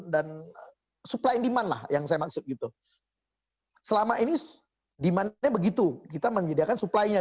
hai suplai dimana yang saya maksud gitu selama ini dimana begitu kita menyediakan suplainya